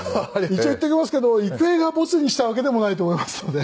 一応言っときますけど郁恵がボツにしたわけでもないと思いますので。